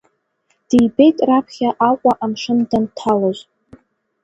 Дибеит раԥхьа Аҟәа амшын данҭалоз…